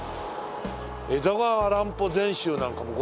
『江戸川乱歩全集』なんかも５０００。